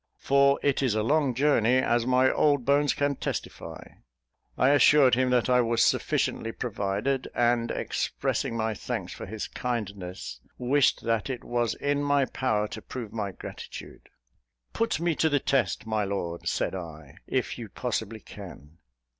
for it is a long journey, as my old bones can testify." I assured him that I was sufficiently provided; and, expressing my thanks for his kindness, wished that it was in my power to prove my gratitude. "Put me to the test, my lord," said I, "if you possibly can."